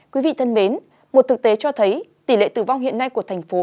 quý vị thân mến một thực tế cho thấy tỷ lệ tử vong hiện nay của thành phố